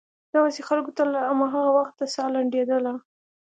دغسې خلکو ته له هماغه وخته سا لنډېدله.